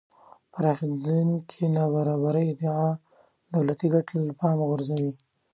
پراخېدونکې نابرابرۍ ادعا دولتی ګټې له پامه غورځوي